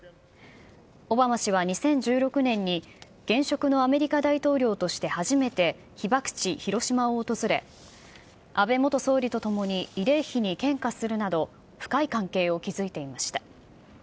オバマ氏は２０１６年に、現職のアメリカ大統領として初めて被爆地、広島を訪れ、安倍元総理と共に慰霊碑に献花するなど、深い関係を築いていました。